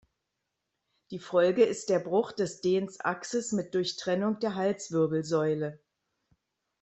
Die Folge ist der Bruch des dens axis mit Durchtrennung der Halswirbelsäule.